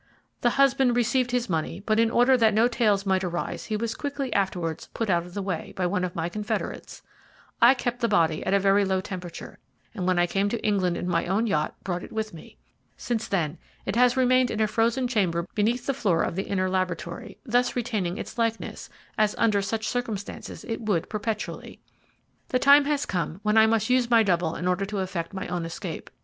The husband received his money, but in order that no tales might arise he was quickly afterwards put out of the way by one of my confederates. I kept the body at a very low temperature, and when I came to England in my own yacht, brought it with me. Since then it has remained in a frozen chamber beneath the floor of the inner laboratory, thus retaining its likeness, as under such circumstances it would perpetually. "'The time has come when I must use my double in order to effect my own escape.